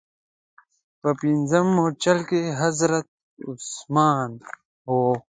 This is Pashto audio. په پنځم مورچل کې حضرت عثمان و.